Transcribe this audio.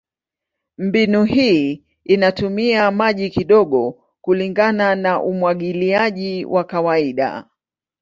Mbinu hii inatumia maji kidogo kulingana na umwagiliaji wa kawaida.